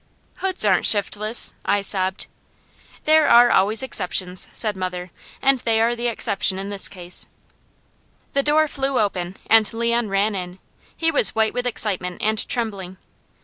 "Hoods aren't shiftless!" I sobbed. "There are always exceptions," said mother, "and they are the exception in this case." The door flew open and Leon ran in. He was white with excitement, and trembling.